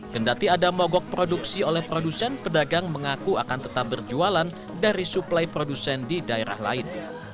kendati ada mogok produksi oleh produsen pedagang mengaku akan tetap berjualan dari suplai produsen di daerah lain